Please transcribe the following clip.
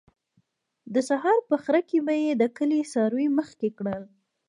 د سهار په خړه کې به یې د کلي څاروي مخکې کړل.